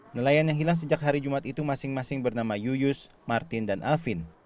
nelayan yang hilang sejak hari jumat itu masing masing bernama yuyus martin dan alvin